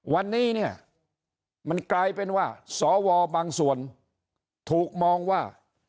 วันนี้เนี่ยมันกลายเป็นว่าสวบางส่วนถูกมองว่า